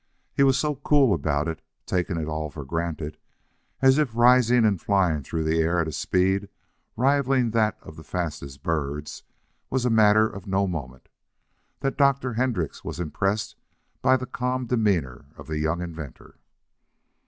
He was so cool about it, taking it all for granted, as if rising and flying through the air at a speed rivaling that of the fastest birds, was a matter of no moment, that Dr. Hendrix was impressed by the calm demeanor of the young inventor.